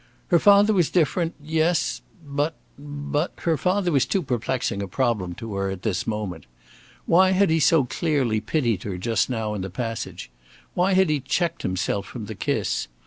Her father was different yes, but but Her father was too perplexing a problem to her at this moment. Why had he so clearly pitied her just now in the passage? Why had he checked himself from the kiss?